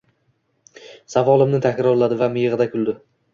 savolimni takrorladi va miyig`ida kuldi